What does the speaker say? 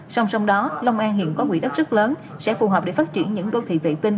song song đó long an hiện có quỹ đất rất lớn sẽ phù hợp để phát triển những đô thị vệ tinh